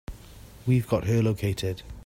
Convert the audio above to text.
We've got her located.